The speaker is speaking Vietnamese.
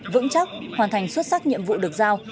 vững chắc hoàn thành xuất sắc nhiệm vụ được giao